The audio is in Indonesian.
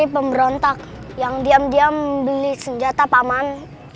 pemberontak yang diam diam beli senjata paman